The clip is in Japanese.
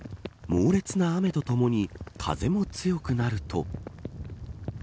猛烈な雨とともに風も強くなると。